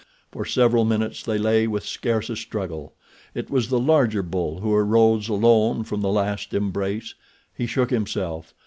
For several minutes they lay with scarce a struggle. It was the larger bull who arose alone from the last embrace. He shook himself.